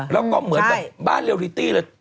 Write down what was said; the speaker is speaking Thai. แล้วก็เหมือนกับบ้านเรลิตี้เลย